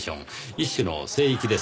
一種の聖域です。